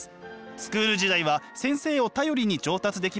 スクール時代は先生を頼りに上達できました。